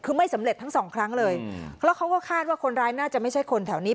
คือไม่สำเร็จทั้งสองครั้งเลยแล้วเขาก็คาดว่าคนร้ายน่าจะไม่ใช่คนแถวนี้